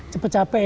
cepet capek ya